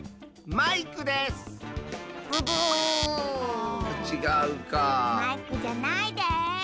マイクじゃないです。